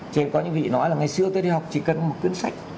trên có những vị nói là ngày xưa tôi đi học chỉ cần một cuốn sách